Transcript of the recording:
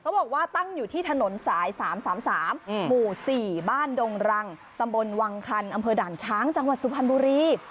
บอกว่าตั้งอยู่ที่ถนนสาย๓๓หมู่๔บ้านดงรังตำบลวังคันอำเภอด่านช้างจังหวัดสุพรรณบุรี